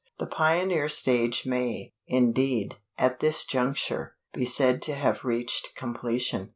The pioneer stage may, indeed, at this juncture, be said to have reached completion.